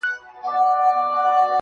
له غمه هېر يم د بلا په حافظه کي نه يم_